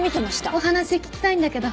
お話聞きたいんだけど。